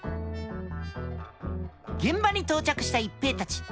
現場に到着した一平たち。